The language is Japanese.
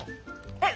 えっ！